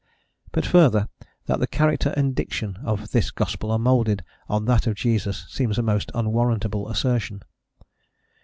But further, that the "character and diction" of this gospel are moulded on that of Jesus, seems a most unwarrantable assertion.